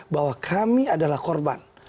bahwa kami adalah korban